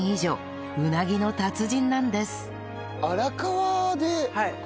うなぎの達人なんです